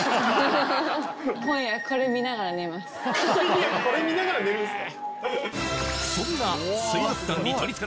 今夜これ見ながら寝るんすか？